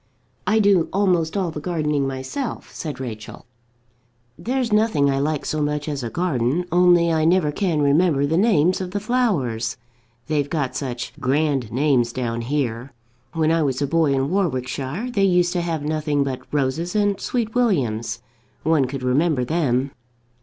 "I do almost all the gardening myself," said Rachel. "There's nothing I like so much as a garden, only I never can remember the names of the flowers. They've got such grand names down here. When I was a boy, in Warwickshire, they used to have nothing but roses and sweetwilliams. One could remember them."